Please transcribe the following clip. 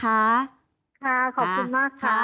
ขอบคุณมากค่ะ